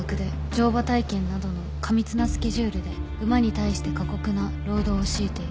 「乗馬体験などの過密なスケジュールで馬に対して過酷な労働を強いている」